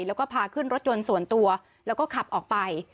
แล้วก็พาขึ้นรถยนต์ส่วนตัวแล้วก็ขับออกไป